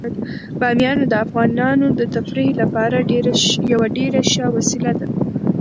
بامیان د افغانانو د تفریح لپاره یوه ډیره ښه وسیله ده.